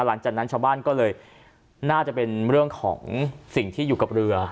หลังจากนั้นชาวบ้านก็เลยน่าจะเป็นเรื่องของสิ่งที่อยู่กับเรือ